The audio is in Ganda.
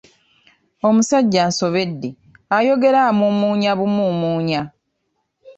Omusajja ansobedde, ayogera amuumuunya bumuumuunya.